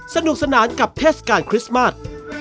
สนุกสนานกับเทศกาลคริสต์มาส